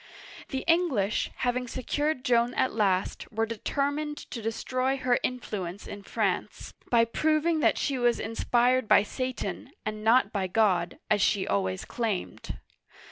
The English, having secured Joan at last, were deter mined to destroy her influence in France, by proving that she was inspired by Satan and not by God, as she always claimed.